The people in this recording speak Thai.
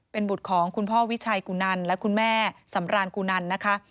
เป็นบุตรของคุณพ่อวิชัยกุนันและคุณแม่สำรานกูนันนะคะ